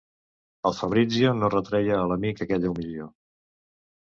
El Fabrizio no retreia a l'amic aquella omissió.